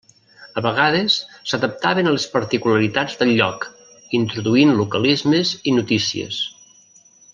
A vegades s'adaptaven a les particularitats del lloc, introduint localismes i notícies.